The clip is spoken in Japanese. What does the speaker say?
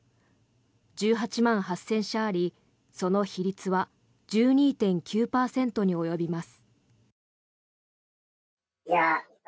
１８万８０００社ありその比率は１２．９％に及びます。